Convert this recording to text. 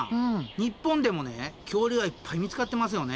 日本でもね恐竜がいっぱい見つかってますよね。